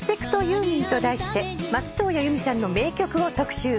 ユーミンと題して松任谷由実さんの名曲を特集。